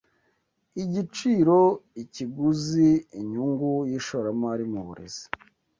Igiciro IkiguziInyungu y'ishoramari mu burezi